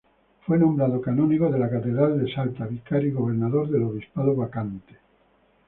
Fue nombrado canónigo de la Catedral de Salta, vicario y gobernador del obispado vacante.